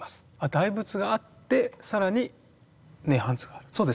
大仏があって更に「涅槃図」がある。